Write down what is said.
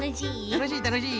たのしいたのしい！